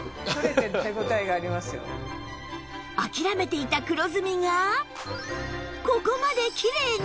諦めていた黒ずみがここまできれいに！